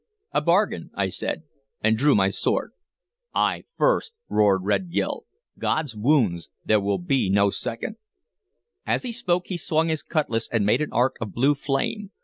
"A bargain," I said, and drew my sword. "I first!" roared Red Gil. "God's wounds! there will need no second!" As he spoke he swung his cutlass and made an arc of blue flame.